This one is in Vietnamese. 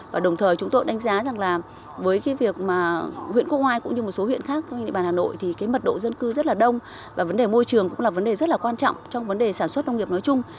và đồng thời chúng tôi đánh giá rằng là với cái việc mà huyện quốc ngoài cũng như một số huyện khác như địa bàn hà nội thì cái mật độ dân cư rất là đông và vấn đề môi trường cũng là vấn đề rất là quan trọng trong vấn đề sản xuất nông nghiệp nói chung